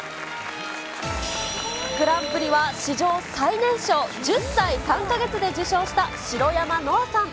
グランプリは史上最年少、１０歳３か月で受賞した白山乃愛さん。